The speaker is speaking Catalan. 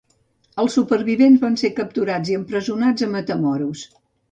Els supervivents van ser capturats i empresonats a Matamoros.